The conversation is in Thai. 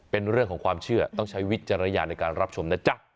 เป็นเรื่องของความเชื่อต้องใช้วิจารณญาณในการรับชมนะจ๊ะ